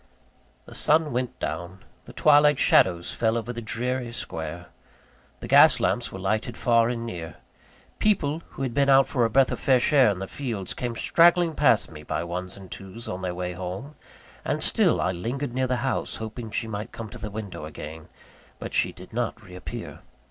The sun went down; the twilight shadows fell over the dreary square; the gas lamps were lighted far and near; people who had been out for a breath of fresh air in the fields, came straggling past me by ones and twos, on their way home and still I lingered near the house, hoping she might come to the window again; but she did not re appear.